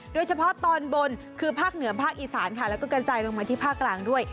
โดยเฉพาะตอนบนคือภาคเหนือภาคอีสานค่ะแล้วก็กระจายลงมาที่ภาคกลางด้วย